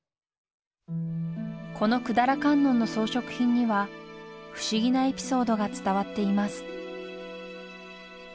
この百済観音の装飾品には不思議なエピソードが伝わっています